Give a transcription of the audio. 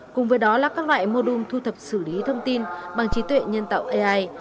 cùng với đó là các loại mô đun thu thập xử lý thông tin bằng trí tuệ nhân tạo ai